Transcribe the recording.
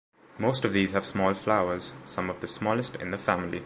Most of these have small flowers, some of the smallest in the family.